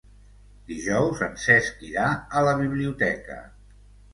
Dijous en Cesc irà a la biblioteca.